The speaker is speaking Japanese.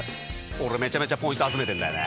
俺めちゃめちゃポイント集めてんだよね。